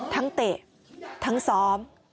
ทั้งเตะทั้งซ้อม